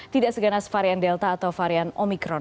tidak seganas varian delta atau varian omikron